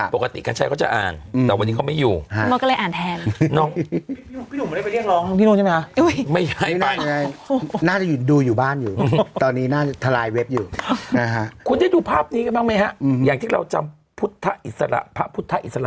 ปกติกันใช่ก็จะอ่านแต่วันนี้เขาไม่อยู่